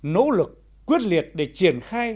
nỗ lực quyết liệt để triển khai